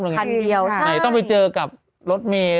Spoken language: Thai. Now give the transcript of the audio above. หน่อยต้องไปเจอกับรถเมล์